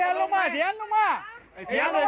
เป็นผลแห่งการเสพยานะครับอาการนี้นะครับ